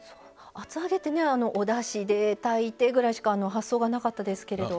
厚揚げってねおだしで炊いてぐらいしか発想がなかったですけれど。